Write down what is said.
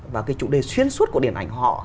và cái chủ đề xuyên suốt của điện ảnh họ